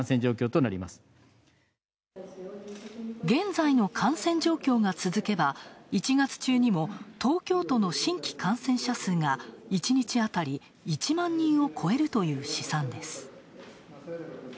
現在の感染状況が続けば、１月中にも東京都の新規感染者数が１日当たり１万人を超えるという試算です。